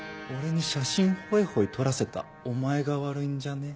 俺に写真ホイホイ撮らせたお前が悪いんじゃね？